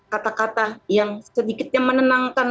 kata kata yang sedikitnya menenangkan